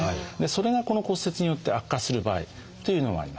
それがこの骨折によって悪化する場合というのがあります。